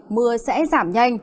mưa sẽ giảm nhanh